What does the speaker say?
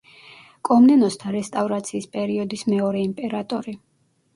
კომნენოსთა რესტავრაციის პერიოდის მეორე იმპერატორი.